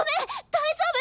大丈夫？